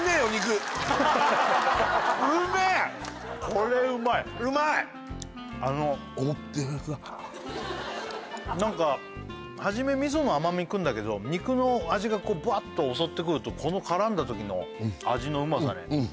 これうまいあのなんか初めみその甘みくんだけど肉の味がブワッと襲ってくるとこの絡んだときの味のうまさね